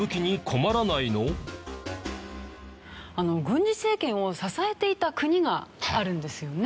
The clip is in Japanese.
軍事政権を支えていた国があるんですよね。